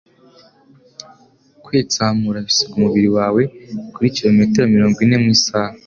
Kwitsamura bisiga umubiri wawe kuri kilometero mirongo ine mu isaha